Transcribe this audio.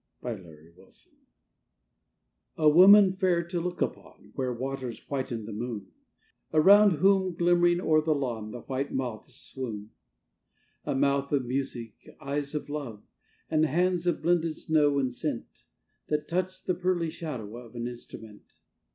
A STUDY IN GRAY A woman, fair to look upon, Where waters whiten with the moon; Around whom, glimmering o'er the lawn, The white moths swoon. A mouth of music; eyes of love; And hands of blended snow and scent, That touch the pearly shadow of An instrument.